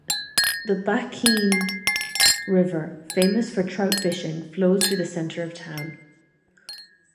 The Battenkill River, famous for trout fishing, flows through the center of town.